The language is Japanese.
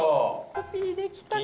コピーできたかな？